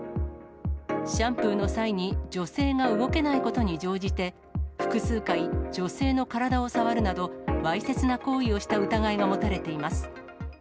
シャンプーの際に、女性が動けないことに乗じて、複数回、女性の体を触るなど、わいせつな行為をした疑いが持たれています。